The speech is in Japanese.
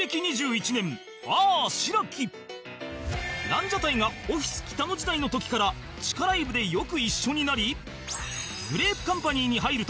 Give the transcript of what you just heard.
ランジャタイがオフィス北野時代の時から地下ライブでよく一緒になり